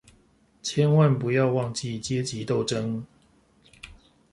千萬不要忘記階級鬥爭